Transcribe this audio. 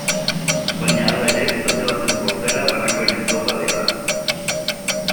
Baina, hala ere, talde baten portaera banakoen ezaugarria da.